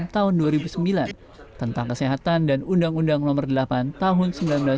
tahun dua ribu sembilan tentang kesehatan dan undang undang nomor delapan tahun seribu sembilan ratus sembilan puluh